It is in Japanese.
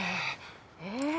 え？